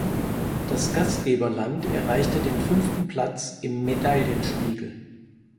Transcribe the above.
Das Gastgeberland erreichte den fünften Platz im Medaillenspiegel.